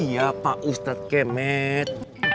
iya pak ustadz kemet